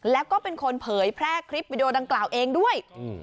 แล้วก็เป็นคนเผยแพร่คลิปวิดีโอดังกล่าวเองด้วย